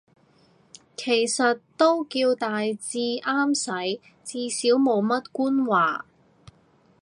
其實都叫大致啱使，至少冇乜官話